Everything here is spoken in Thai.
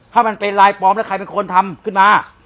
ถ้ามันเป็นลายปลอมแล้วใครเป็นคนทำขึ้นมา